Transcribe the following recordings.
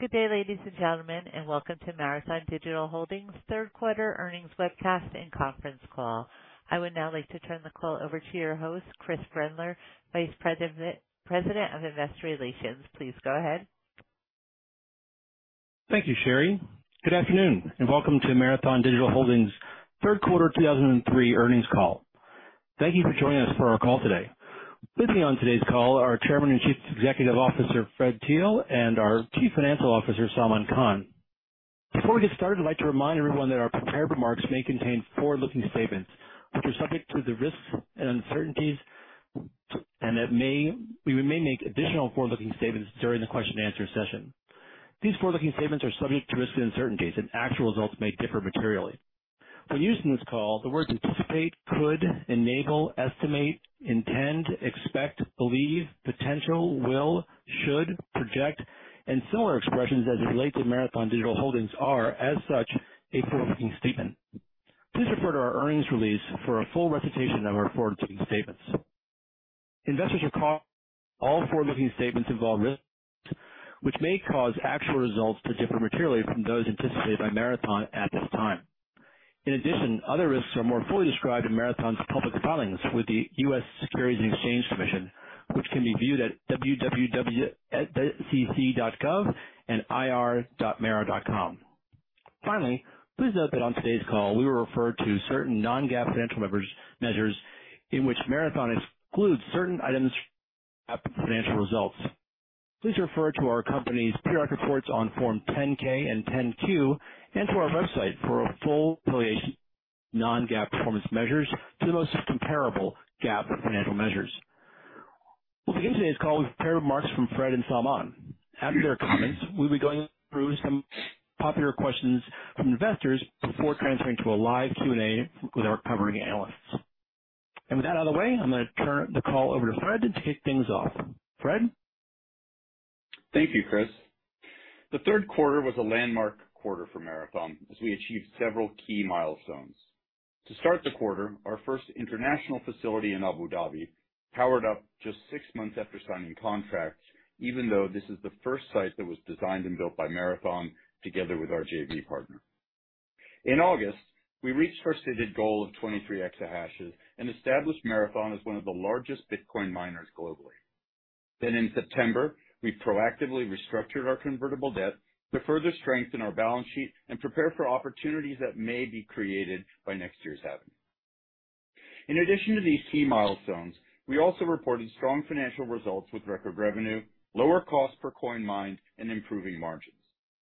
Good day, ladies and gentlemen, and welcome to Marathon Digital Holdings' third quarter earnings webcast and conference call. I would now like to turn the call over to your host, Chris Brendler, Vice President of Investor Relations. Please go ahead. Thank you, Sherry. Good afternoon, and welcome to Marathon Digital Holdings' third quarter 2023 earnings call. Thank you for joining us for our call today. With me on today's call are Chairman and Chief Executive Officer Fred Thiel; and our Chief Financial Officer Salman Khan. Before we get started, I'd like to remind everyone that our prepared remarks may contain forward-looking statements, which are subject to the risks and uncertainties, and that may, we may make additional forward-looking statements during the question and answer session. These forward-looking statements are subject to risks and uncertainties, and actual results may differ materially. When used in this call, the words anticipate, could, enable, estimate, intend, expect, believe, potential, will, should, project, and similar expressions as it relates to Marathon Digital Holdings are, as such, a forward-looking statement. Please refer to our earnings release for a full recitation of our forward-looking statements. Investors are cautioned that all forward-looking statements involve risks, which may cause actual results to differ materially from those anticipated by Marathon at this time. In addition, other risks are more fully described in Marathon's public filings with the U.S. Securities and Exchange Commission, which can be viewed at www.sec.gov and ir.mara.com. Finally, please note that on today's call, we will refer to certain non-GAAP financial measures, measures in which Marathon excludes certain items financial results. Please refer to our company's periodic reports on Form 10-K and 10-Q, and to our website for a full non-GAAP performance measures to the most comparable GAAP financial measures. We'll begin today's call with prepared remarks from Fred and Salman. After their comments, we'll be going through some popular questions from investors before transferring to a live Q&A with our covering analysts. With that out of the way, I'm going to turn the call over to Fred to kick things off. Fred? Thank you, Chris. The third quarter was a landmark quarter for Marathon as we achieved several key milestones. To start the quarter, our first international facility in Abu Dhabi powered up just six months after signing contracts, even though this is the first site that was designed and built by Marathon together with our JV partner. In August, we reached our stated goal of 23 exahashes and established Marathon as one of the largest Bitcoin miners globally. Then in September, we proactively restructured our convertible debt to further strengthen our balance sheet and prepare for opportunities that may be created by next year's halving. In addition to these key milestones, we also reported strong financial results with record revenue, lower cost per coin mined, and improving margins.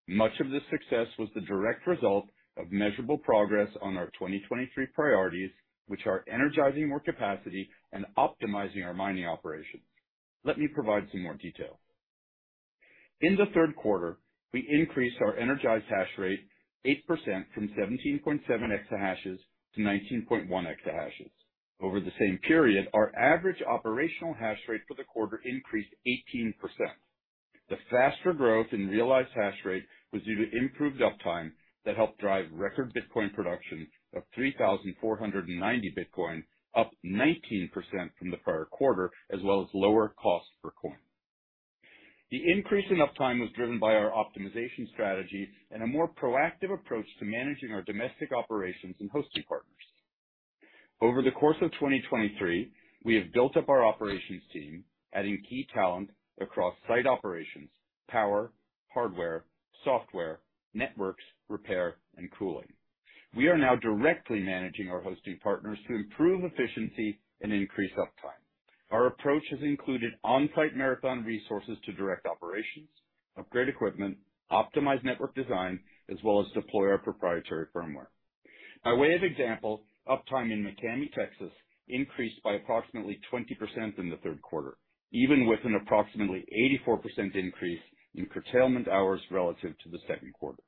Much of this success was the direct result of measurable progress on our 2023 priorities, which are energizing more capacity and optimizing our mining operations. Let me provide some more detail. In the third quarter, we increased our energized hash rate 8% from 17.7 exahashes-19.1 exahashes. Over the same period, our average operational hash rate for the quarter increased 18%. The faster growth in realized hash rate was due to improved uptime that helped drive record Bitcoin production of 3,490 Bitcoin, up 19% from the prior quarter, as well as lower cost per coin. The increase in uptime was driven by our optimization strategy and a more proactive approach to managing our domestic operations and hosting partners. Over the course of 2023, we have built up our operations team, adding key talent across site operations, power, hardware, software, networks, repair, and cooling. We are now directly managing our hosting partners to improve efficiency and increase uptime. Our approach has included on-site Marathon resources to direct operations, upgrade equipment, optimize network design, as well as deploy our proprietary firmware. By way of example, uptime in McCamey, Texas, increased by approximately 20% in the third quarter, even with an approximately 84% increase in curtailment hours relative to the second quarter.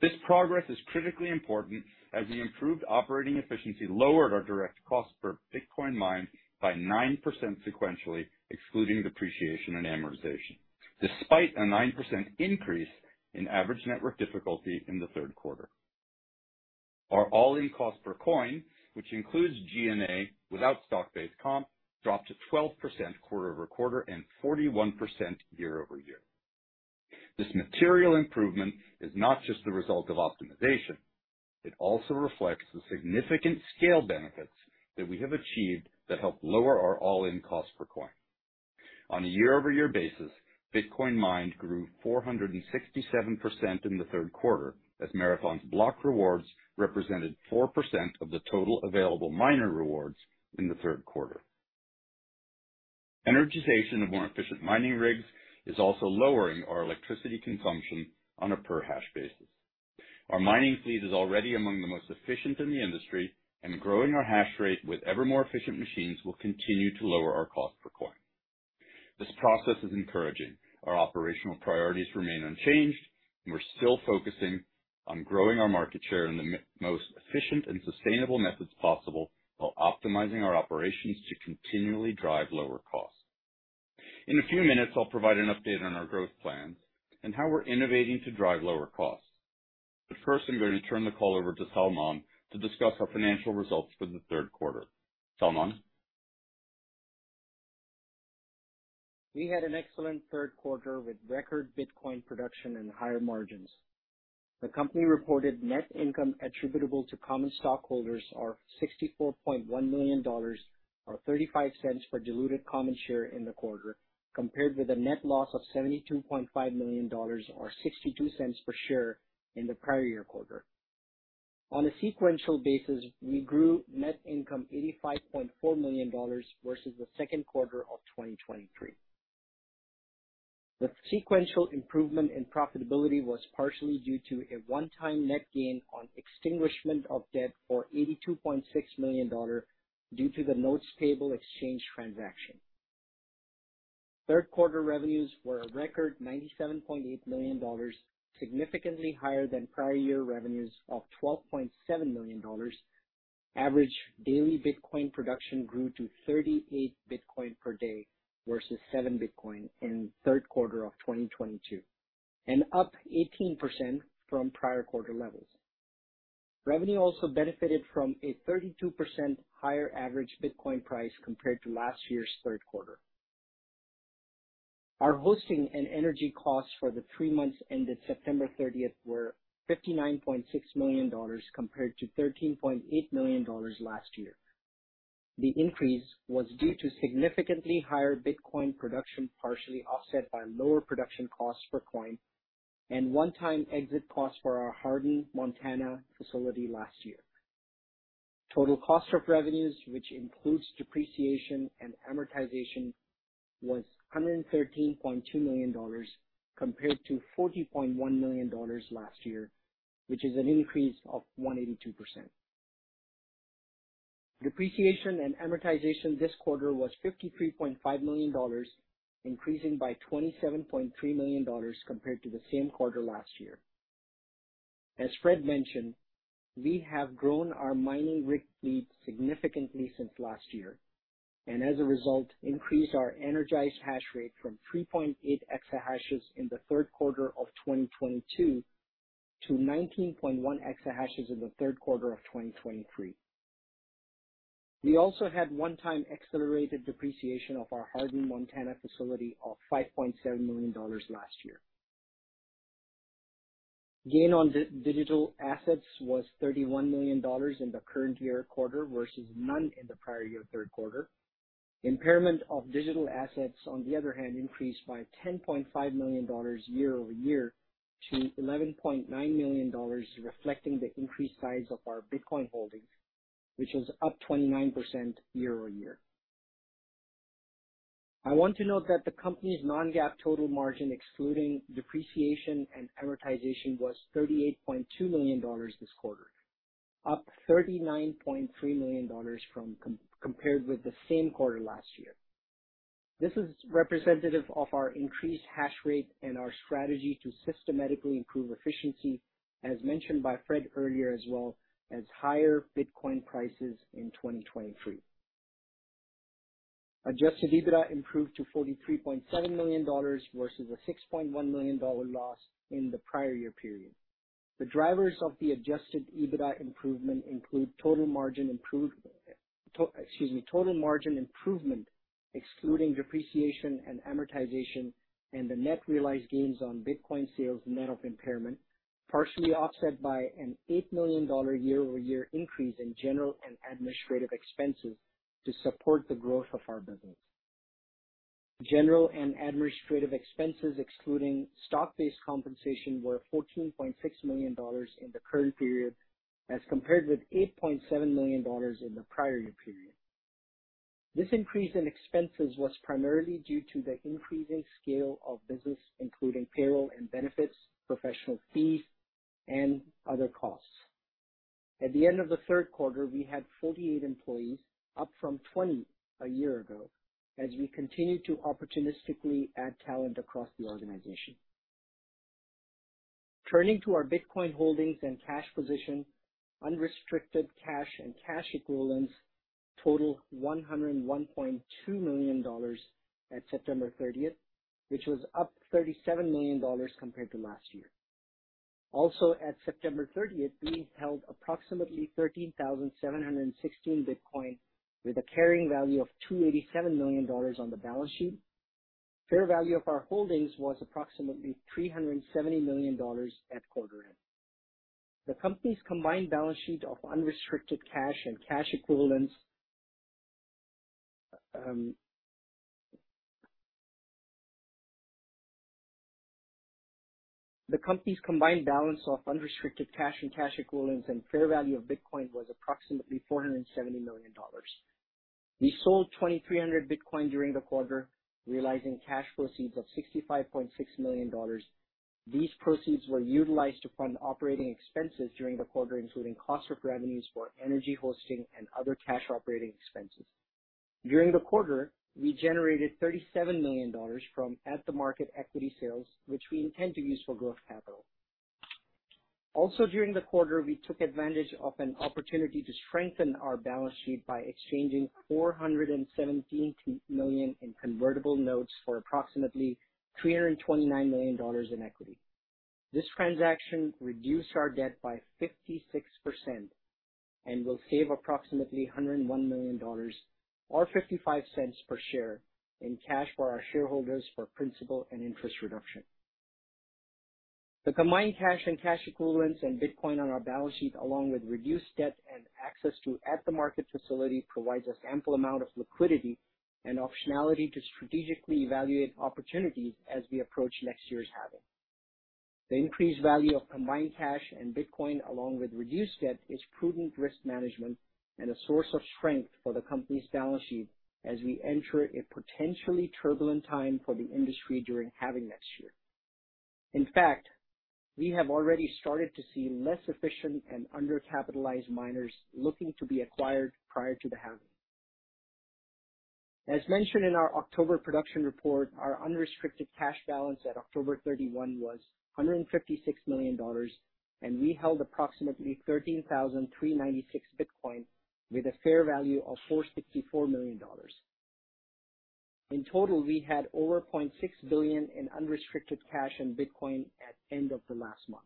This progress is critically important as the improved operating efficiency lowered our direct cost per Bitcoin mined by 9% sequentially, excluding depreciation and amortization, despite a 9% increase in average network difficulty in the third quarter. Our all-in cost per coin, which includes G&A without stock-based comp, dropped to 12% quarter-over-quarter and 41% year-over-year. This material improvement is not just the result of optimization, it also reflects the significant scale benefits that we have achieved that help lower our all-in cost per coin. On a year-over-year basis, Bitcoin mined grew 467% in the third quarter, as Marathon's block rewards represented 4% of the total available miner rewards in the third quarter. Energization of more efficient mining rigs is also lowering our electricity consumption on a per hash basis. Our mining fleet is already among the most efficient in the industry, and growing our hash rate with ever more efficient machines will continue to lower our cost per coin. This process is encouraging. Our operational priorities remain unchanged, and we're still focusing on growing our market share in the most efficient and sustainable methods possible, while optimizing our operations to continually drive lower costs. In a few minutes, I'll provide an update on our growth plans and how we're innovating to drive lower costs. But first, I'm going to turn the call over to Salman to discuss our financial results for the third quarter. Salman? .We had an excellent third quarter with record Bitcoin production and higher margins. The company reported net income attributable to common stockholders of $64.1 million, or $0.35 per diluted common share in the quarter, compared with a net loss of $72.5 million, or $0.62 per share in the prior year quarter. On a sequential basis, we grew net income $85.4 million versus the second quarter of 2023. The sequential improvement in profitability was partially due to a one-time net gain on extinguishment of debt for $82.6 million due to the notes payable exchange transaction. Third quarter revenues were a record $97.8 million, significantly higher than prior year revenues of $12.7 million. Average daily Bitcoin production grew to 38 Bitcoin per day versus 7 Bitcoin in the third quarter of 2022, and up 18% from prior quarter levels. Revenue also benefited from a 32% higher average Bitcoin price compared to last year's third quarter. Our hosting and energy costs for the three months ended September 30, were $59.6 million, compared to $13.8 million last year. The increase was due to significantly higher Bitcoin production, partially offset by lower production costs per coin and one-time exit costs for our Hardin, Montana facility last year. Total cost of revenues, which includes depreciation and amortization, was $113.2 million, compared to $40.1 million last year, which is an increase of 182%. Depreciation and amortization this quarter was $53.5 million, increasing by $27.3 million compared to the same quarter last year. As Fred mentioned, we have grown our mining rig fleet significantly since last year, and as a result, increased our energized hash rate from 3.8 exahashes in the third quarter of 2022 to 19.1 exahashes in the third quarter of 2023. We also had one-time accelerated depreciation of our Hardin, Montana facility of $5.7 million last year. Gain on digital assets was $31 million in the current year quarter versus none in the prior year third quarter. Impairment of digital assets, on the other hand, increased by $10.5 million year-over-year to $11.9 million, reflecting the increased size of our Bitcoin holdings, which is up 29% year-over-year. I want to note that the company's non-GAAP total margin, excluding depreciation and amortization, was $38.2 million this quarter, up $39.3 million compared with the same quarter last year. This is representative of our increased hash rate and our strategy to systematically improve efficiency, as mentioned by Fred earlier, as well as higher Bitcoin prices in 2023. Adjusted EBITDA improved to $43.7 million versus a $6.1 million loss in the prior year period. The drivers of the adjusted EBITDA improvement include total margin improvement, excluding depreciation and amortization, and the net realized gains on Bitcoin sales net of impairment, partially offset by an $8 million year-over-year increase in general and administrative expenses to support the growth of our business. General and administrative expenses, excluding stock-based compensation, were $14.6 million in the current period, as compared with $8.7 million in the prior year period. This increase in expenses was primarily due to the increasing scale of business, including payroll and benefits, professional fees, and other costs. At the end of the third quarter, we had 48 employees, up from 20 a year ago, as we continue to opportunistically add talent across the organization. Turning to our Bitcoin holdings and cash position, unrestricted cash and cash equivalents total $101.2 million at September thirtieth, which was up $37 million compared to last year. Also, at September thirtieth, we held approximately 13,716 Bitcoin, with a carrying value of $287 million on the balance sheet. Fair value of our holdings was approximately $370 million at quarter end. The company's combined balance of unrestricted cash and cash equivalents and fair value of Bitcoin was approximately $470 million. We sold 2,300 Bitcoin during the quarter, realizing cash proceeds of $65.6 million. These proceeds were utilized to fund operating expenses during the quarter, including cost of revenues for energy, hosting, and other cash operating expenses. During the quarter, we generated $37 million from at-the-market equity sales, which we intend to use for growth capital. Also, during the quarter, we took advantage of an opportunity to strengthen our balance sheet by exchanging $417 million in convertible notes for approximately $329 million in equity. This transaction reduced our debt by 56% and will save approximately $101 million, or $0.55 per share, in cash for our shareholders for principal and interest reduction. The combined cash and cash equivalents and Bitcoin on our balance sheet, along with reduced debt and access to at-the-market facility, provides us ample amount of liquidity and optionality to strategically evaluate opportunities as we approach next year's halving. The increased value of combined cash and Bitcoin, along with reduced debt, is prudent risk management and a source of strength for the company's balance sheet as we enter a potentially turbulent time for the industry during halving next year. In fact, we have already started to see less efficient and undercapitalized miners looking to be acquired prior to the halving. As mentioned in our October production report, our unrestricted cash balance at October 31 was $156 million, and we held approximately 13,396 Bitcoin, with a fair value of $464 million. In total, we had over $0.6 billion in unrestricted cash and Bitcoin at end of the last month.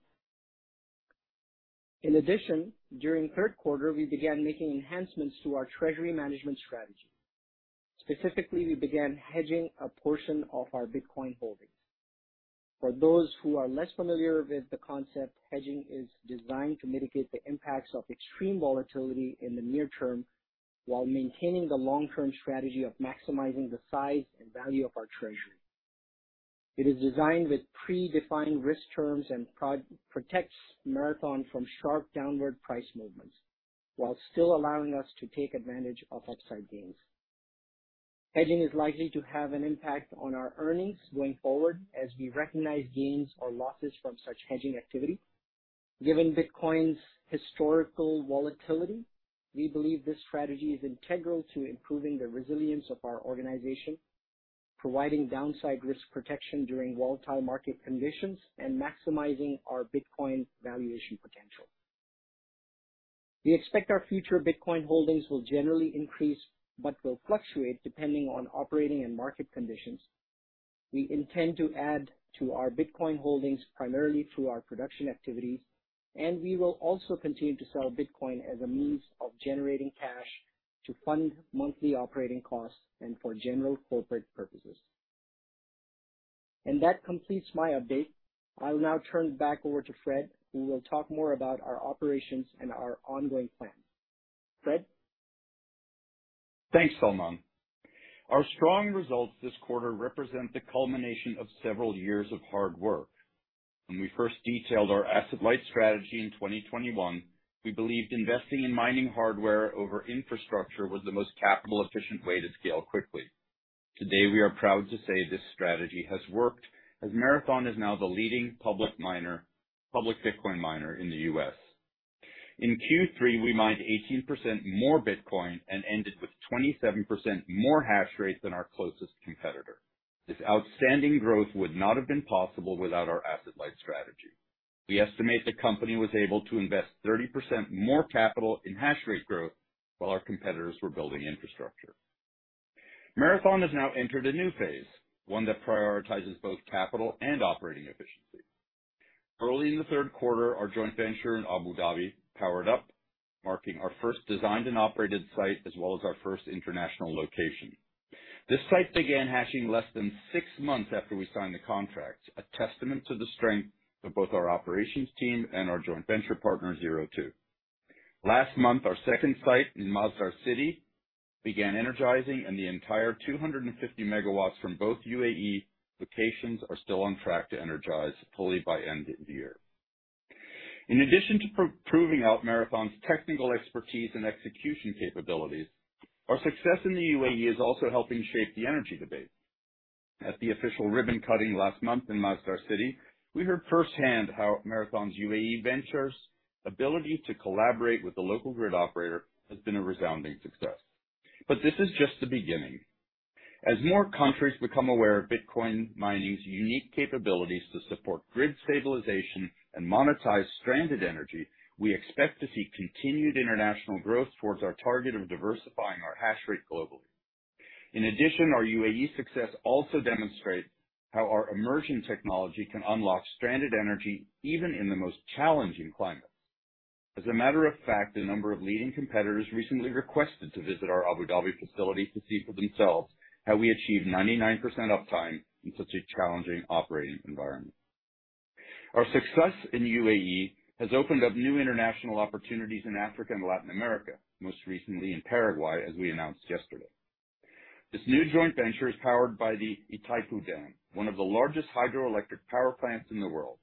In addition, during third quarter, we began making enhancements to our treasury management strategy. Specifically, we began hedging a portion of our Bitcoin holdings. For those who are less familiar with the concept, hedging is designed to mitigate the impacts of extreme volatility in the near term, while maintaining the long-term strategy of maximizing the size and value of our treasury. It is designed with predefined risk terms and protects Marathon from sharp downward price movements, while still allowing us to take advantage of upside gains. Hedging is likely to have an impact on our earnings going forward as we recognize gains or losses from such hedging activity. Given Bitcoin's historical volatility, we believe this strategy is integral to improving the resilience of our organization, providing downside risk protection during volatile market conditions, and maximizing our Bitcoin valuation potential. We expect our future Bitcoin holdings will generally increase, but will fluctuate depending on operating and market conditions. We intend to add to our Bitcoin holdings, primarily through our production activities, and we will also continue to sell Bitcoin as a means of generating cash to fund monthly operating costs and for general corporate purposes. That completes my update. I'll now turn it back over to Fred, who will talk more about our operations and our ongoing plans. Fred? Thanks, Salman. Our strong results this quarter represent the culmination of several years of hard work. When we first detailed our asset-light strategy in 2021, we believed investing in mining hardware over infrastructure was the most capital-efficient way to scale quickly. Today, we are proud to say this strategy has worked, as Marathon is now the leading public miner, public Bitcoin miner in the U.S. In Q3, we mined 18% more Bitcoin and ended with 27% more hash rate than our closest competitor. This outstanding growth would not have been possible without our asset-light strategy. We estimate the company was able to invest 30% more capital in hash rate growth while our competitors were building infrastructure. Marathon has now entered a new phase, one that prioritizes both capital and operating efficiency. Early in the third quarter, our joint venture in Abu Dhabi powered up, marking our first designed and operated site, as well as our first international location. This site began hashing less than six months after we signed the contract, a testament to the strength of both our operations team and our joint venture partner, Zero Two. Last month, our second site in Masdar City began energizing, and the entire 250 MW from both UAE locations are still on track to energize fully by end of the year. In addition to proving out Marathon's technical expertise and execution capabilities, our success in the UAE is also helping shape the energy debate. At the official ribbon cutting last month in Masdar City, we heard firsthand how Marathon's UAE ventures' ability to collaborate with the local grid operator has been a resounding success. But this is just the beginning. As more countries become aware of Bitcoin mining's unique capabilities to support grid stabilization and monetize stranded energy, we expect to see continued international growth towards our target of diversifying our hash rate globally. In addition, our UAE success also demonstrates how our immersion technology can unlock stranded energy, even in the most challenging climates. As a matter of fact, a number of leading competitors recently requested to visit our Abu Dhabi facility to see for themselves how we achieved 99% uptime in such a challenging operating environment. Our success in the UAE has opened up new international opportunities in Africa and Latin America, most recently in Paraguay, as we announced yesterday. This new joint venture is powered by the Itaipú Dam, one of the largest hydroelectric power plants in the world.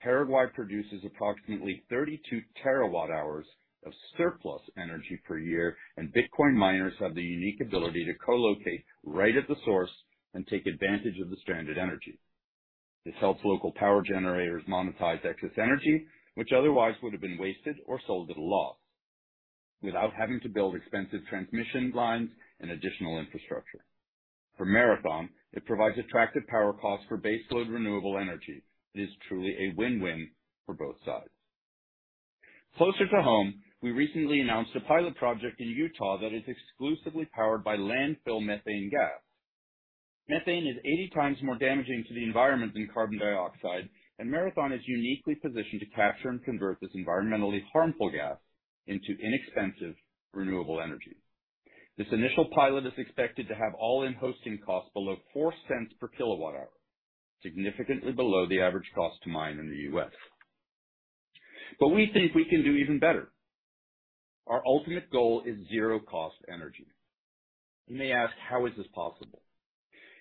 Paraguay produces approximately 32 terawatt-hours of surplus energy per year, and Bitcoin miners have the unique ability to co-locate right at the source and take advantage of the stranded energy. This helps local power generators monetize excess energy, which otherwise would have been wasted or sold at a loss, without having to build expensive transmission lines and additional infrastructure. For Marathon, it provides attractive power costs for baseload renewable energy. It is truly a win-win for both sides. Closer to home, we recently announced a pilot project in Utah that is exclusively powered by landfill methane gas. Methane is 80 times more damaging to the environment than carbon dioxide, and Marathon is uniquely positioned to capture and convert this environmentally harmful gas into inexpensive, renewable energy. This initial pilot is expected to have all-in hosting costs below $0.04/kWh, significantly below the average cost to mine in the U.S. But we think we can do even better. Our ultimate goal is zero-cost energy. You may ask, how is this possible?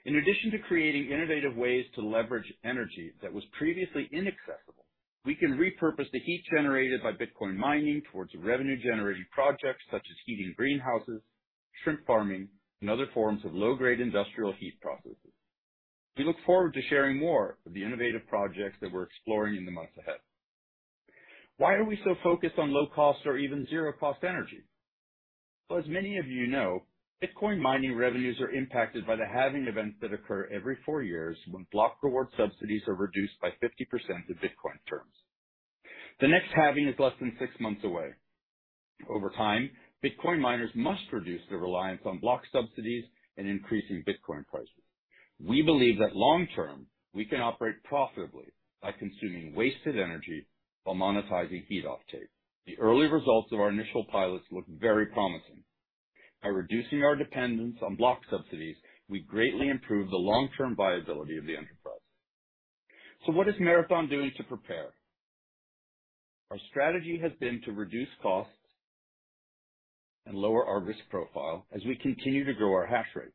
In addition to creating innovative ways to leverage energy that was previously inaccessible, we can repurpose the heat generated by Bitcoin mining towards revenue-generating projects such as heating greenhouses, shrimp farming, and other forms of low-grade industrial heat processes. We look forward to sharing more of the innovative projects that we're exploring in the months ahead. Why are we so focused on low-cost or even zero-cost energy? Well, as many of you know, Bitcoin mining revenues are impacted by the Halving events that occur every four years when block reward subsidies are reduced by 50% in Bitcoin terms. The next Halving is less than six months away. Over time, Bitcoin miners must reduce their reliance on block subsidies and increasing Bitcoin prices. We believe that long term, we can operate profitably by consuming wasted energy while monetizing heat offtake. The early results of our initial pilots look very promising. By reducing our dependence on block subsidies, we greatly improve the long-term viability of the enterprise. So what is Marathon doing to prepare? Our strategy has been to reduce costs and lower our risk profile as we continue to grow our Hash rate.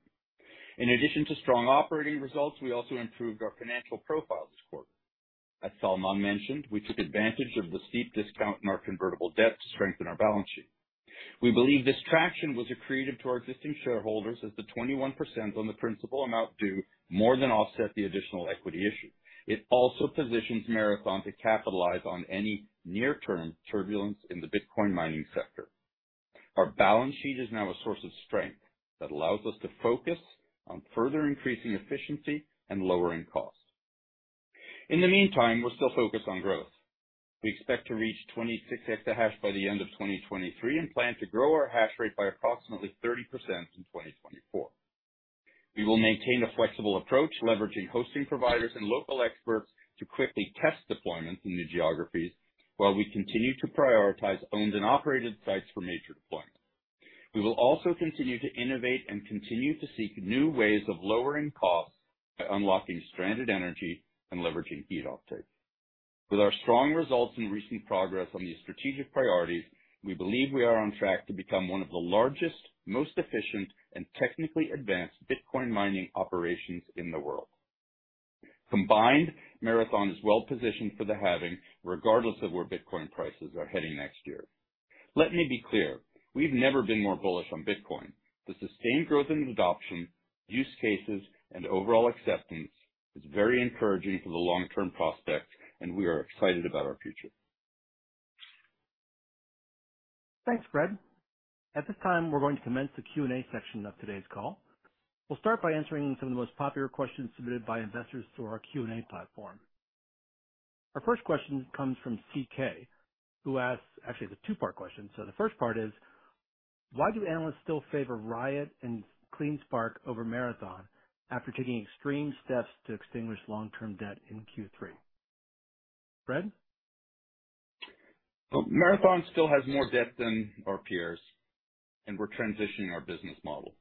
In addition to strong operating results, we also improved our financial profile this quarter. As Salman mentioned, we took advantage of the steep discount in our convertible debt to strengthen our balance sheet. We believe this traction was accretive to our existing shareholders as the 21% on the principal amount due more than offset the additional equity issue. It also positions Marathon to capitalize on any near-term turbulence in the Bitcoin mining sector. Our balance sheet is now a source of strength that allows us to focus on further increasing efficiency and lowering costs. In the meantime, we're still focused on growth. We expect to reach 26 exahash by the end of 2023 and plan to grow our hash rate by approximately 30% in 2024. We will maintain a flexible approach, leveraging hosting providers and local experts to quickly test deployment in new geographies, while we continue to prioritize owned and operated sites for major deployment. We will also continue to innovate and continue to seek new ways of lowering costs by unlocking stranded energy and leveraging heat offtake. With our strong results and recent progress on these strategic priorities, we believe we are on track to become one of the largest, most efficient, and technically advanced Bitcoin mining operations in the world. Combined, Marathon is well positioned for the halving, regardless of where Bitcoin prices are heading next year. Let me be clear, we've never been more bullish on Bitcoin. The sustained growth in adoption, use cases, and overall acceptance is very encouraging for the long-term prospects, and we are excited about our future. Thanks, Fred. At this time, we're going to commence the Q&A section of today's call. We'll start by answering some of the most popular questions submitted by investors through our Q&A platform. Our first question comes from C.K., who asks, actually, it's a two-part question. So the first part is: Why do analysts still favor Riot and CleanSpark over Marathon after taking extreme steps to extinguish long-term debt in Q3? Fred? Well, Marathon still has more debt than our peers, and we're transitioning our business model.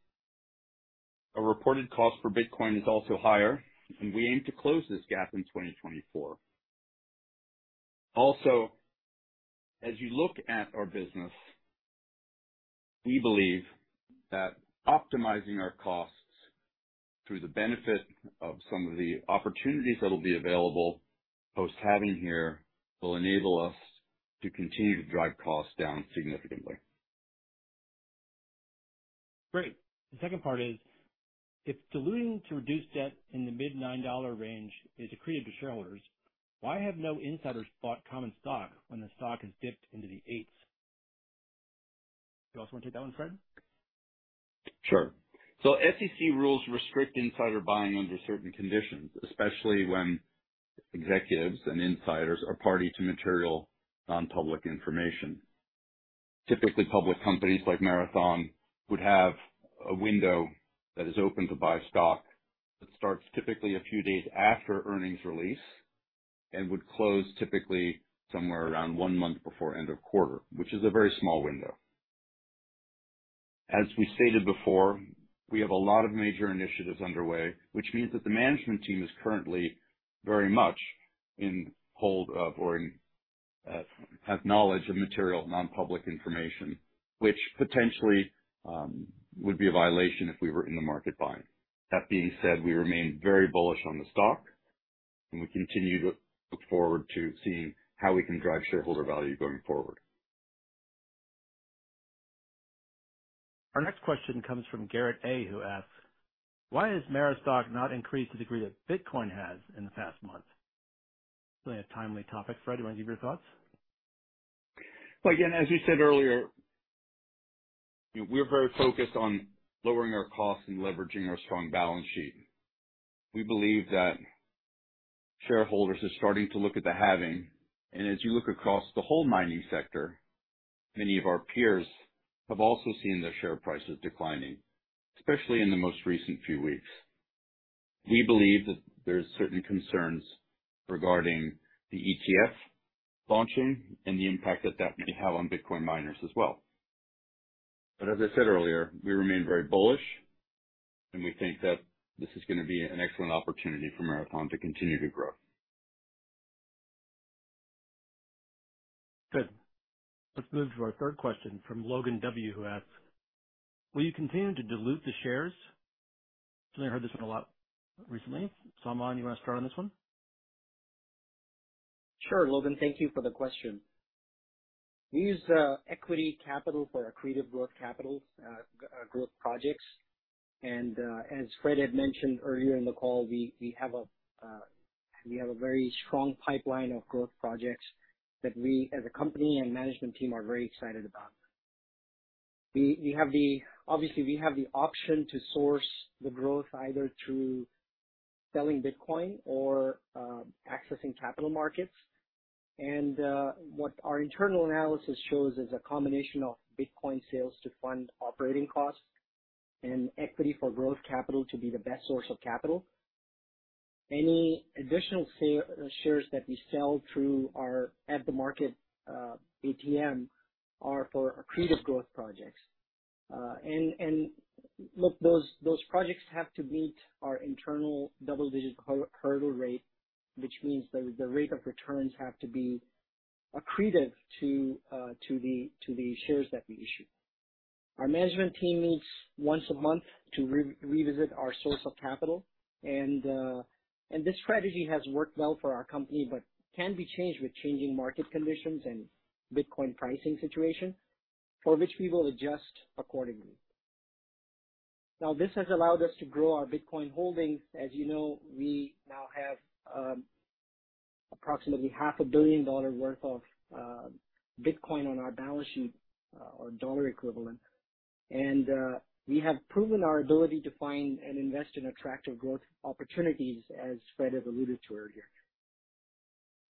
Our reported cost for Bitcoin is also higher, and we aim to close this gap in 2024. Also, as you look at our business, we believe that optimizing our costs through the benefit of some of the opportunities that will be available post-halving here, will enable us to continue to drive costs down significantly. Great. The second part is, if diluting to reduce debt in the mid-$9 range is accretive to shareholders, why have no insiders bought common stock when the stock has dipped into the $8s? Do you also want to take that one, Fred? Sure. So SEC rules restrict insider buying under certain conditions, especially when executives and insiders are party to material non-public information. Typically, public companies like Marathon would have a window that is open to buy stock, that starts typically a few days after earnings release and would close typically somewhere around one month before end of quarter, which is a very small window. As we stated before, we have a lot of major initiatives underway, which means that the management team is currently very much in hold of or in, have knowledge of material non-public information, which potentially, would be a violation if we were in the market buying. That being said, we remain very bullish on the stock, and we continue to look forward to seeing how we can drive shareholder value going forward. Our next question comes from Garrett A, who asks, "Why has MARA stock not increased to the degree that Bitcoin has in the past month?" Certainly a timely topic. Fred, you want to give your thoughts? Well, again, as we said earlier. We're very focused on lowering our costs and leveraging our strong balance sheet. We believe that shareholders are starting to look at the Halving, and as you look across the whole mining sector, many of our peers have also seen their share prices declining, especially in the most recent few weeks. We believe that there's certain concerns regarding the ETF launching and the impact that that may have on Bitcoin miners as well. But as I said earlier, we remain very bullish, and we think that this is going to be an excellent opportunity for Marathon to continue to grow. Good. Let's move to our third question from Logan W., who asks, "Will you continue to dilute the shares?" And I heard this one a lot recently. Salman, you want to start on this one? Sure, Logan, thank you for the question. We use equity capital for accretive growth capital, growth projects. And as Fred had mentioned earlier in the call, we have a very strong pipeline of growth projects that we, as a company and management team, are very excited about. Obviously, we have the option to source the growth either through selling Bitcoin or accessing capital markets. And what our internal analysis shows is a combination of Bitcoin sales to fund operating costs and equity for growth capital to be the best source of capital. Any additional shares that we sell through our at-the-market ATM are for accretive growth projects. Look, those projects have to meet our internal double-digit hurdle rate, which means that the rate of returns have to be accretive to the shares that we issue. Our management team meets once a month to revisit our source of capital. This strategy has worked well for our company, but can be changed with changing market conditions and Bitcoin pricing situation, for which we will adjust accordingly. Now, this has allowed us to grow our Bitcoin holdings. As you know, we now have approximately $500 million worth of Bitcoin on our balance sheet, or dollar equivalent. We have proven our ability to find and invest in attractive growth opportunities, as Fred has alluded to earlier.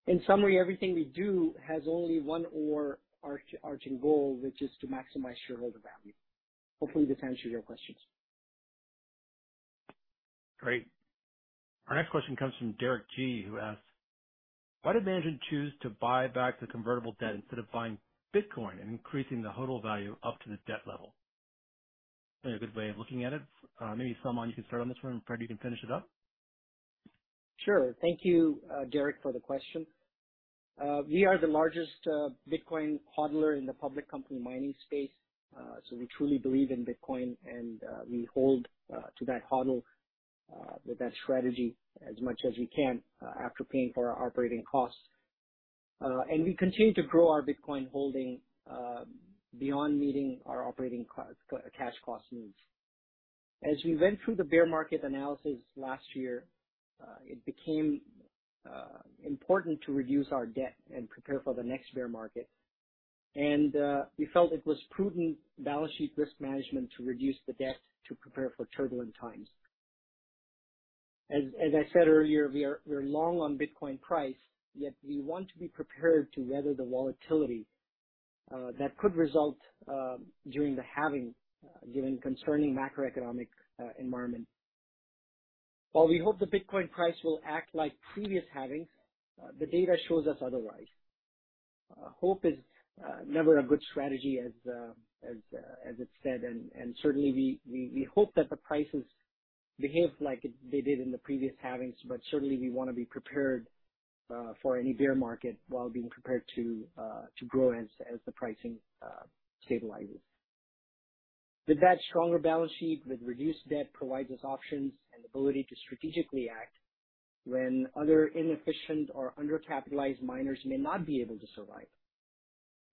In summary, everything we do has only one core arching goal, which is to maximize shareholder value. Hopefully, this answered your questions. Great. Our next question comes from Derek G., who asks, "Why did management choose to buy back the convertible debt instead of buying Bitcoin and increasing the HODL value up to the debt level?" In a good way of looking at it, maybe, Salman, you can start on this one, and, Fred, you can finish it up. Sure. Thank you, Derek, for the question. We are the largest Bitcoin HODLer in the public company mining space. So we truly believe in Bitcoin, and we hold to that HODL with that strategy as much as we can after paying for our operating costs. And we continue to grow our Bitcoin holding beyond meeting our operating cash cost needs. As we went through the bear market analysis last year, it became important to reduce our debt and prepare for the next bear market. And we felt it was prudent balance sheet risk management to reduce the debt to prepare for turbulent times. As I said earlier, we're long on Bitcoin price, yet we want to be prepared to weather the volatility that could result during the Halving, given concerning macroeconomic environment. While we hope the Bitcoin price will act like previous Halvings, the data shows us otherwise. Hope is never a good strategy as it's said, and certainly we hope that the prices behave like they did in the previous Halvings, but certainly we want to be prepared for any bear market while being prepared to grow as the pricing stabilizes. With that stronger balance sheet, with reduced debt, provides us options and ability to strategically act when other inefficient or undercapitalized miners may not be able to survive.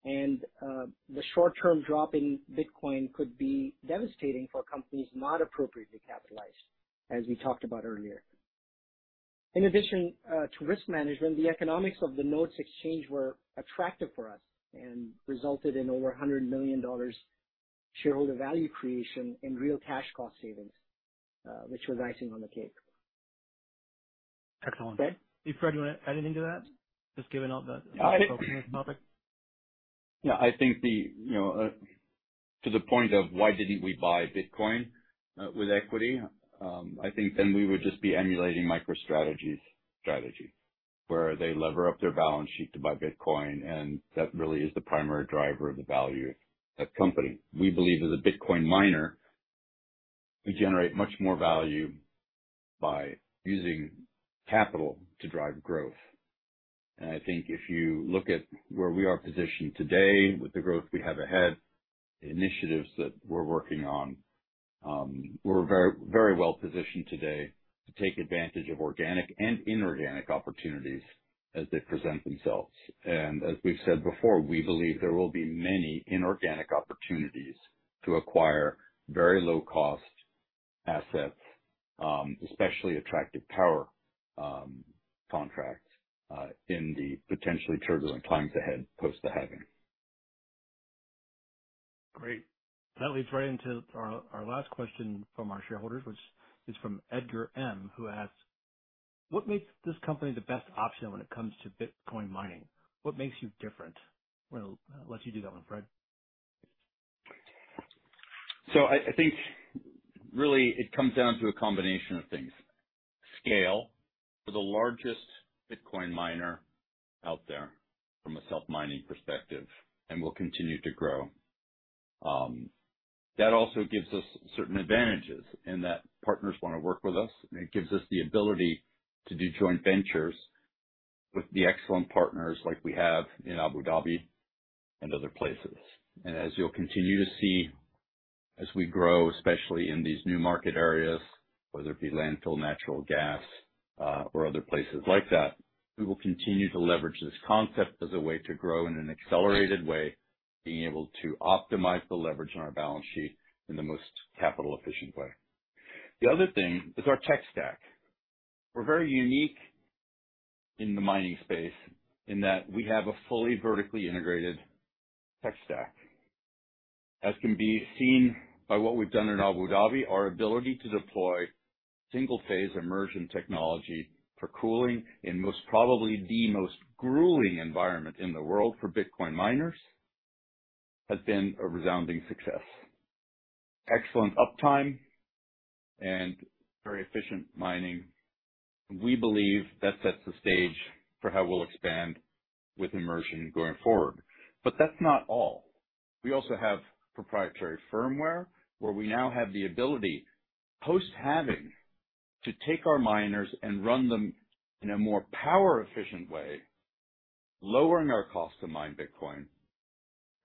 The short-term drop in Bitcoin could be devastating for companies not appropriately capitalized, as we talked about earlier. In addition to risk management, the economics of the Notes exchange were attractive for us and resulted in over $100 million shareholder value creation and real cash cost savings, which was icing on the cake. Excellent. Fred? Hey, Fred, you want to add anything to that, just given all the- I think- Topic? Yeah, I think, you know, to the point of why didn't we buy Bitcoin with equity, I think then we would just be emulating MicroStrategy's strategy, where they lever up their balance sheet to buy Bitcoin, and that really is the primary driver of the value of that company. We believe as a Bitcoin miner, we generate much more value by using capital to drive growth. And I think if you look at where we are positioned today, with the growth we have ahead, the initiatives that we're working on, we're very, very well positioned today to take advantage of organic and inorganic opportunities as they present themselves. And as we've said before, we believe there will be many inorganic opportunities to acquire very low cost assets, especially attractive power contracts, in the potentially turbulent times ahead, post the halving. Great. That leads right into our last question from our shareholders, which is from Edgar M., who asks: What makes this company the best option when it comes to Bitcoin mining? What makes you different? Well, I'll let you do that one, Fred. So I, I think really it comes down to a combination of things. Scale. We're the largest Bitcoin miner out there from a self-mining perspective, and we'll continue to grow. That also gives us certain advantages in that partners want to work with us, and it gives us the ability to do joint ventures with the excellent partners like we have in Abu Dhabi and other places. And as you'll continue to see, as we grow, especially in these new market areas, whether it be landfill, natural gas, or other places like that, we will continue to leverage this concept as a way to grow in an accelerated way, being able to optimize the leverage on our balance sheet in the most capital efficient way. The other thing is our tech stack. We're very unique in the mining space in that we have a fully vertically integrated tech stack. As can be seen by what we've done in Abu Dhabi, our ability to deploy single-phase immersion technology for cooling in most probably the most grueling environment in the world for Bitcoin miners, has been a resounding success. Excellent uptime and very efficient mining. We believe that sets the stage for how we'll expand with immersion going forward. But that's not all. We also have proprietary firmware, where we now have the ability, post-halving, to take our miners and run them in a more power efficient way, lowering our cost to mine Bitcoin.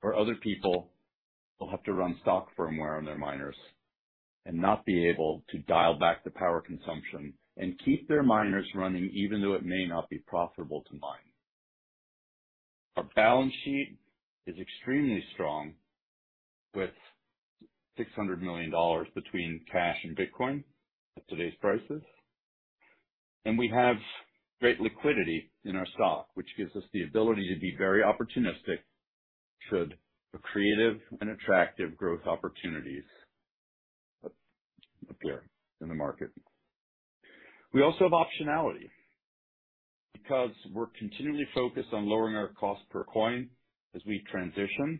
For other people, they'll have to run stock firmware on their miners and not be able to dial back the power consumption and keep their miners running, even though it may not be profitable to mine. Our balance sheet is extremely strong, with $600 million between cash and Bitcoin at today's prices. We have great liquidity in our stock, which gives us the ability to be very opportunistic should creative and attractive growth opportunities appear in the market. We also have optionality, because we're continually focused on lowering our cost per coin as we transition.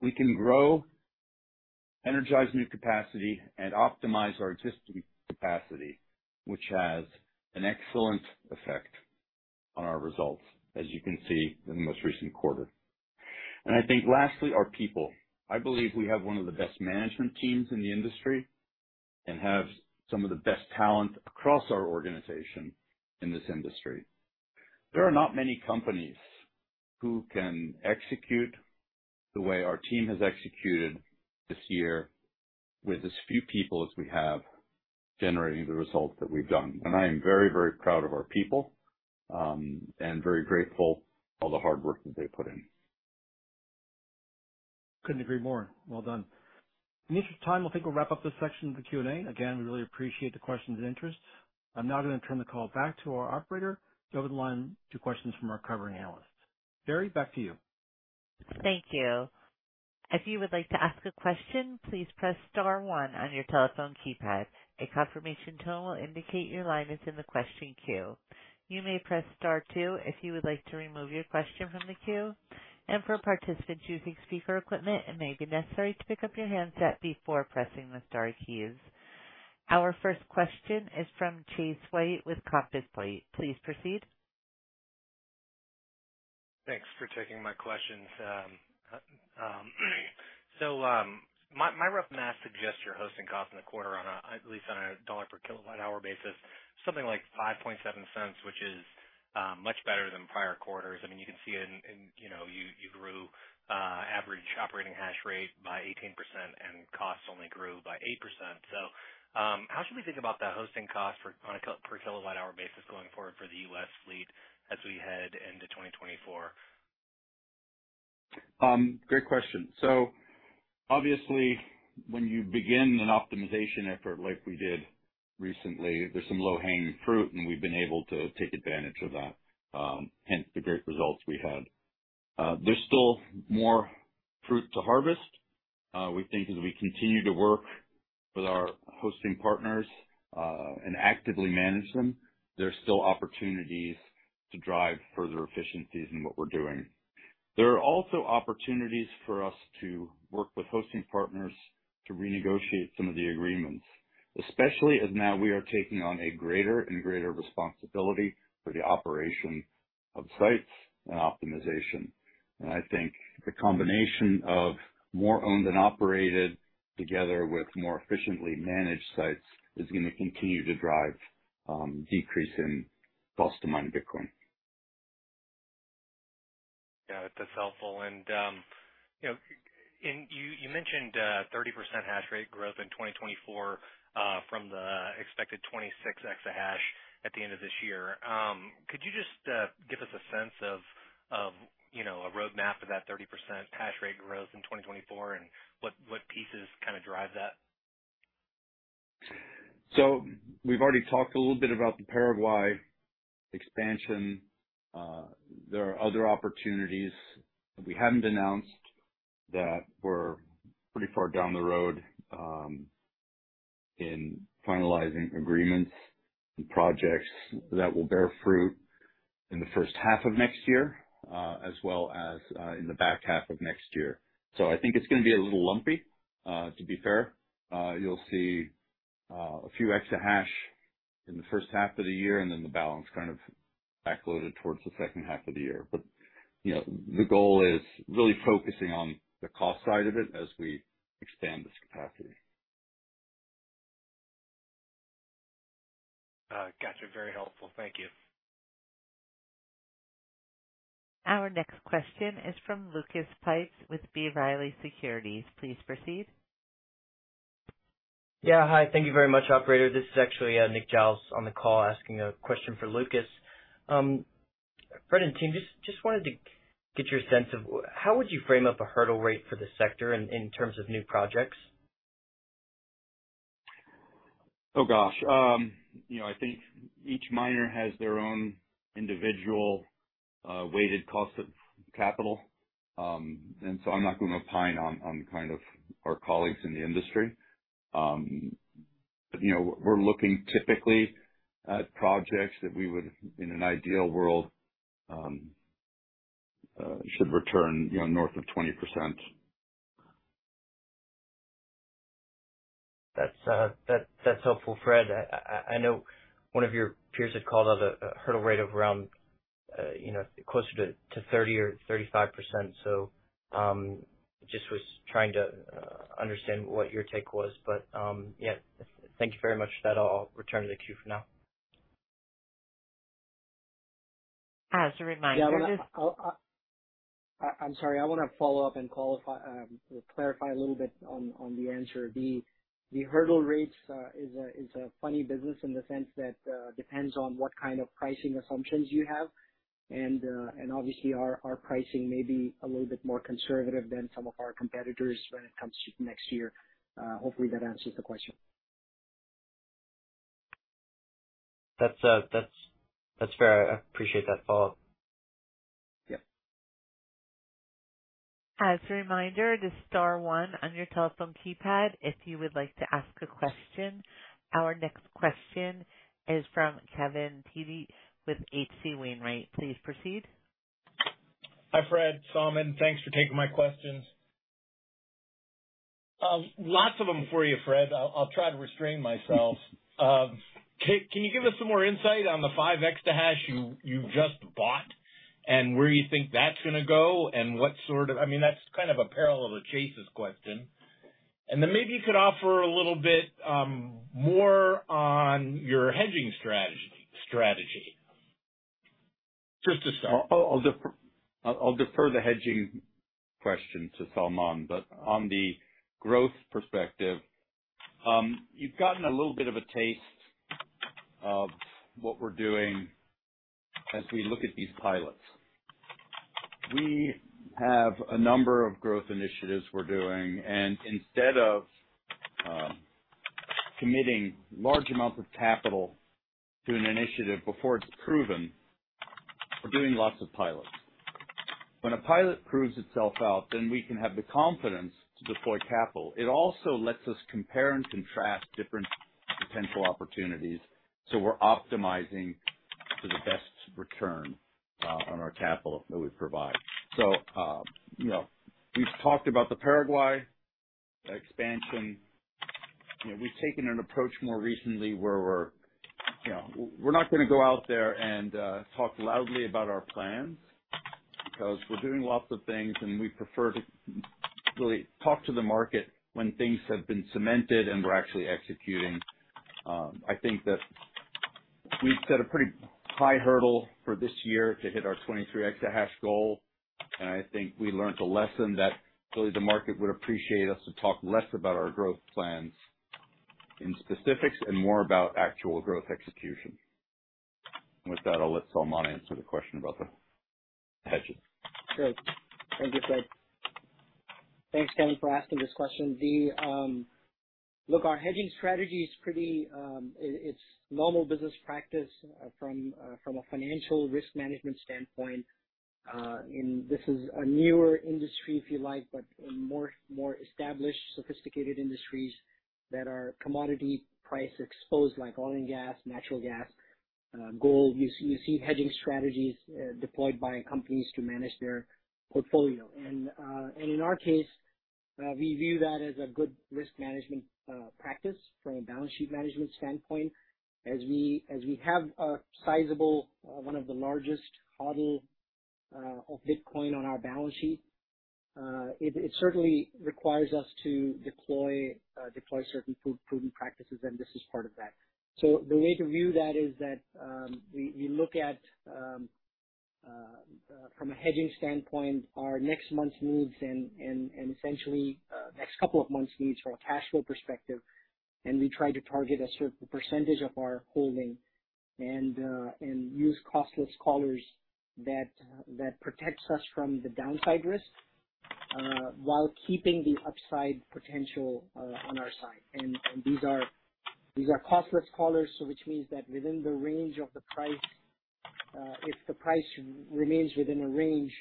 We can grow, energize new capacity, and optimize our existing capacity, which has an excellent effect on our results, as you can see in the most recent quarter. I think lastly, our people. I believe we have one of the best management teams in the industry and have some of the best talent across our organization in this industry. There are not many companies who can execute the way our team has executed this year with as few people as we have, generating the results that we've done. And I am very, very proud of our people, and very grateful for all the hard work that they put in. Couldn't agree more. Well done. In the interest of time, I think we'll wrap up this section of the Q&A. Again, we really appreciate the questions and interest. I'm now going to turn the call back to our operator to open the line to questions from our covering analysts. Barry, back to you. Thank you. If you would like to ask a question, please press star one on your telephone keypad. A confirmation tone will indicate your line is in the question queue. You may press star two if you would like to remove your question from the queue. For participants using speaker equipment, it may be necessary to pick up your handset before pressing the star keys. Our first question is from Chase White with Compass Point. Please proceed. Thanks for taking my questions. So, my rough math suggests your hosting cost in the quarter, at least on a dollar per kWh basis, something like $0.057, which is much better than prior quarters. I mean, you can see it in, you know, you grew average operating hash rate by 18% and costs only grew by 8%. So, how should we think about that hosting cost on a per kWh basis going forward for the U.S. fleet as we head into 2024? Great question. So obviously, when you begin an optimization effort like we did recently, there's some low-hanging fruit, and we've been able to take advantage of that, hence the great results we had. There's still more fruit to harvest. We think as we continue to work with our hosting partners, and actively manage them, there's still opportunities to drive further efficiencies in what we're doing. There are also opportunities for us to work with hosting partners to renegotiate some of the agreements. Especially as now we are taking on a greater and greater responsibility for the operation of sites and optimization. And I think the combination of more owned and operated, together with more efficiently managed sites, is going to continue to drive, decrease in cost to mine Bitcoin. Yeah, that's helpful. And, you know, and you, you mentioned, 30% hash rate growth in 2024.... from the expected 26 exahash at the end of this year. Could you just, give us a sense of, of, you know, a roadmap of that 30% hash rate growth in 2024, and what, what pieces kind of drive that? So we've already talked a little bit about the Paraguay expansion. There are other opportunities that we haven't announced that we're pretty far down the road, in finalizing agreements and projects that will bear fruit in the first half of next year, as well as, in the back half of next year. So I think it's going to be a little lumpy, to be fair. You'll see, a few Exahash in the first half of the year, and then the balance kind of backloaded towards the second half of the year. But, you know, the goal is really focusing on the cost side of it as we expand this capacity. Gotcha. Very helpful. Thank you. Our next question is from Lucas Pipes with B. Riley Securities. Please proceed. Yeah. Hi, thank you very much, operator. This is actually, Nick Giles on the call asking a question for Lucas. Fred and team, just, just wanted to get your sense of how would you frame up a hurdle rate for the sector in, in terms of new projects? Oh, gosh! You know, I think each miner has their own individual weighted cost of capital. And so I'm not going to opine on kind of our colleagues in the industry. But, you know, we're looking typically at projects that we would, in an ideal world, should return, you know, north of 20%. That's helpful, Fred. I know one of your peers had called out a hurdle rate of around, you know, closer to 30 or 35%. So, just was trying to understand what your take was. But, yeah, thank you very much for that. I'll return to the queue for now. As a reminder- Yeah, I want to. I'm sorry. I want to follow up and qualify, clarify a little bit on the answer. The hurdle rates is a funny business in the sense that depends on what kind of pricing assumptions you have. Obviously, our pricing may be a little bit more conservative than some of our competitors when it comes to next year. Hopefully that answers the question. That's fair. I appreciate that follow-up. Yeah. As a reminder, it is star one on your telephone keypad if you would like to ask a question. Our next question is from Kevin Dede with H.C. Wainwright. Please proceed. Hi, Fred, Salman. Thanks for taking my questions. Lots of them for you, Fred. I'll try to restrain myself. Can you give us some more insight on the 5 exahash you just bought and where you think that's going to go? And what sort of... I mean, that's kind of a parallel to Chase's question. And then maybe you could offer a little bit more on your hedging strategy. Just to start. I'll defer the hedging question to Salman, but on the growth perspective, you've gotten a little bit of a taste of what we're doing as we look at these pilots. We have a number of growth initiatives we're doing, and instead of committing large amounts of capital to an initiative before it's proven, we're doing lots of pilots. When a pilot proves itself out, then we can have the confidence to deploy capital. It also lets us compare and contrast different potential opportunities, so we're optimizing for the best return on our capital that we provide. You know, we've talked about the Paraguay expansion. You know, we've taken an approach more recently where we're, you know, we're not going to go out there and talk loudly about our plans, because we're doing lots of things, and we prefer to really talk to the market when things have been cemented and we're actually executing. I think that we've set a pretty high hurdle for this year to hit our 23 exahash goal, and I think we learned a lesson that really the market would appreciate us to talk less about our growth plans in specifics and more about actual growth execution. With that, I'll let Salman answer the question about the hedging. Sure. Thank you, Fred. Thanks, Kevin, for asking this question. Look, our hedging strategy is pretty, it's normal business practice from a financial risk management standpoint. This is a newer industry, if you like, but in more established, sophisticated industries that are commodity price exposed, like oil and gas, natural gas, gold. You see hedging strategies deployed by companies to manage their portfolio. And in our case, we view that as a good risk management practice from a balance sheet management standpoint. As we have a sizable, one of the largest HODL of Bitcoin on our balance sheet, it certainly requires us to deploy certain proven practices, and this is part of that. So the way to view that is that we look at from a hedging standpoint our next month's needs and essentially next couple of months needs from a cash flow perspective, and we try to target a certain percentage of our holding and use costless collars that protects us from the downside risk while keeping the upside potential on our side. And these are costless collars, so which means that within the range of the price if the price remains within a range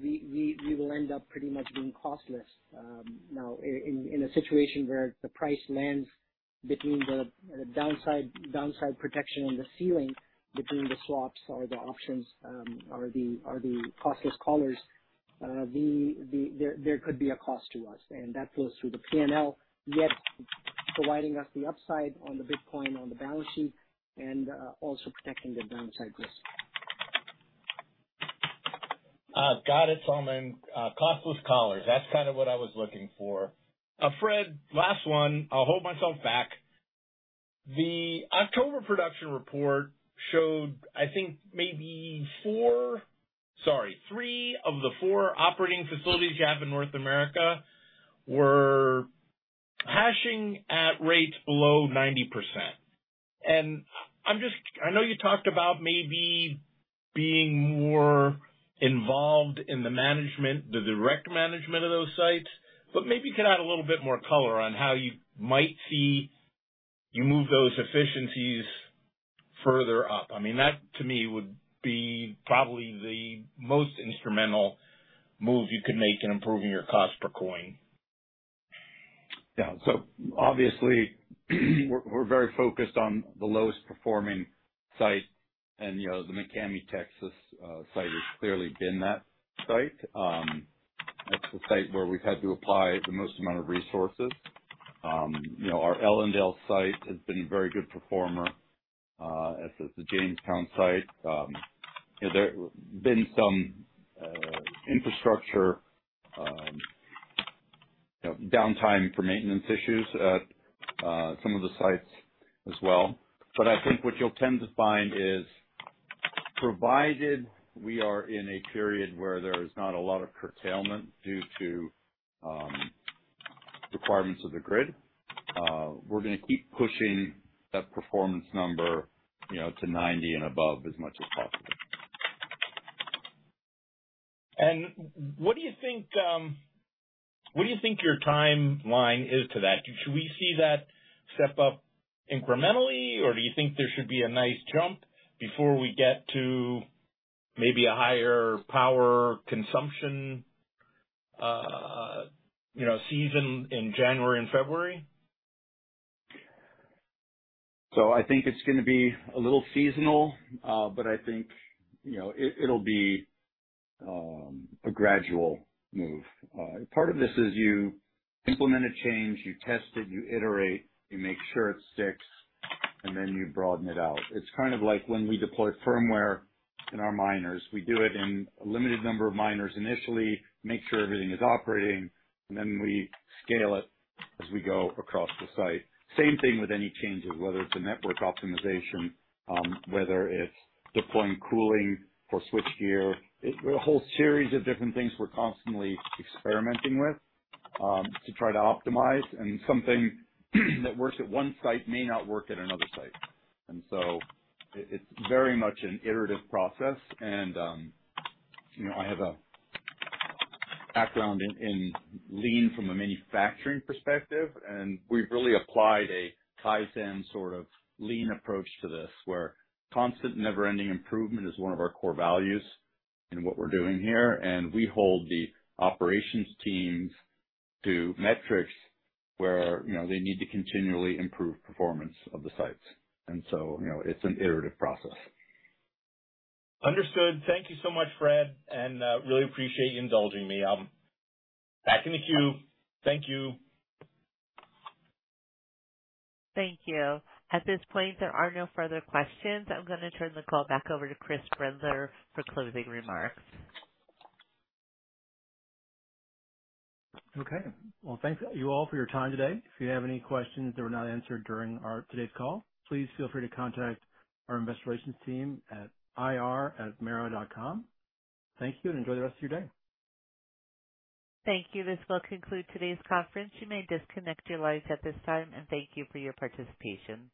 we will end up pretty much being costless. Now, in a situation where the price lands between the downside protection and the ceiling between the swaps or the options, or the costless collars, there could be a cost to us, and that goes through the PNL, yet providing us the upside on the Bitcoin on the balance sheet, and also protecting the downside risk. Got it, Salman. Costless collars, that's kind of what I was looking for. Fred, last one. I'll hold myself back. The October production report showed, I think, maybe four... Sorry, three of the four operating facilities you have in North America were hashing at rates below 90%. And I'm just, I know you talked about maybe being more involved in the management, the direct management of those sites, but maybe you could add a little bit more color on how you might see you move those efficiencies further up. I mean, that to me, would be probably the most instrumental move you could make in improving your cost per coin. Yeah. So obviously, we're very focused on the lowest performing site, and, you know, the McCamey, Texas site has clearly been that site. That's the site where we've had to apply the most amount of resources. You know, our Ellendale site has been a very good performer, as has the Jamestown site. You know, there been some infrastructure, you know, downtime for maintenance issues at some of the sites as well. But I think what you'll tend to find is, provided we are in a period where there is not a lot of curtailment due to requirements of the grid, we're going to keep pushing that performance number, you know, to 90 and above as much as possible. What do you think your timeline is to that? Should we see that step up incrementally, or do you think there should be a nice jump before we get to maybe a higher power consumption, you know, season in January and February? So I think it's going to be a little seasonal, but I think, you know, it, it'll be a gradual move. Part of this is you implement a change, you test it, you iterate, you make sure it sticks, and then you broaden it out. It's kind of like when we deploy firmware in our miners, we do it in a limited number of miners initially, make sure everything is operating, and then we scale it as we go across the site. Same thing with any changes, whether it's a network optimization, whether it's deploying cooling or switch gear. It's a whole series of different things we're constantly experimenting with, to try to optimize. And something that works at one site may not work at another site. And so it's very much an iterative process. You know, I have a background in lean from a manufacturing perspective, and we've really applied a tie-down sort of lean approach to this, where constant, never-ending improvement is one of our core values in what we're doing here. And we hold the operations teams to metrics where, you know, they need to continually improve performance of the sites. And so, you know, it's an iterative process. Understood. Thank you so much, Fred, and really appreciate you indulging me. I'm back in the queue. Thank you. Thank you. At this point, there are no further questions. I'm going to turn the call back over to Chris Brendler for closing remarks. Okay. Well, thank you all for your time today. If you have any questions that were not answered during our today's call, please feel free to contact our investor relations team at ir@mara.com. Thank you, and enjoy the rest of your day. Thank you. This will conclude today's conference. You may disconnect your lines at this time, and thank you for your participation.